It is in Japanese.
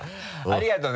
ありがとうね。